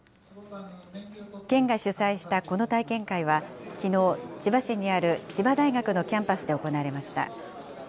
県が主催したこの体験会は、きのう、千葉市にある千葉大学のキャンパスで行われました。